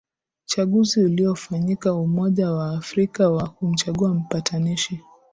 chaguzi uliofanyika umoja waafrika wa kumchagua mpatanishi